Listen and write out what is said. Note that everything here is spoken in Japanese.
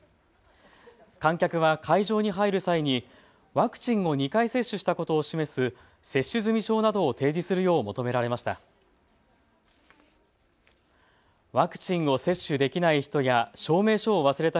観客は会場に入る際にワクチンを２回接種したことを示す接種済証などを提示するよう求められました。